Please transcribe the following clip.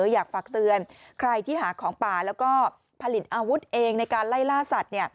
อยากฝากเตือนใครที่หาของป่าแล้วก็ผลิตอาวุธเองในการไล่ล่าสัตว์